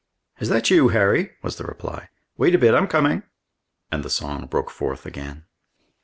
"Is that you, Harry?" was the reply. "Wait a bit, I'm coming." And the song broke forth again.